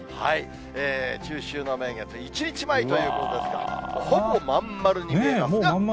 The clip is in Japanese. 中秋の名月、１日前ということですが、もう真ん丸に見えますね。